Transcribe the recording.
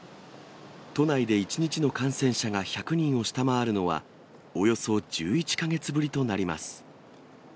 都内で１日の感染者が１００人を下回るのは、およそ１１か月ぶりとなります。